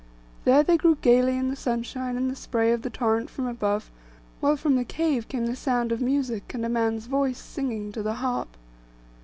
There they grew gaily in the sunshine, and the spray of the torrent from above; while from the cave came the sound of music, and a man's voice singing to the harp.